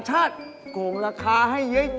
เฮ้ยเฮ้ย